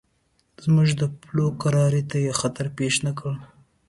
زموږ د پولو کرارۍ ته یې خطر پېښ نه کړ.